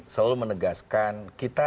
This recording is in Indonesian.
selalu menegaskan kita